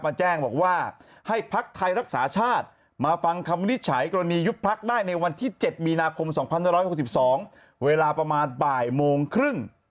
แจ้งบอกว่าให้พักไทยรักษาชาติมาฟังคำวินิจฉัยกรณียุบพักได้ในวันที่๗มีนาคม๒๑๖๒เวลาประมาณบ่ายโมงครึ่ง